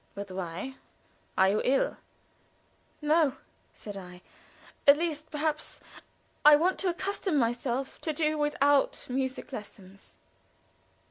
"But why? Are you ill?" "No," said I. "At least perhaps I want to accustom myself to do without music lessons."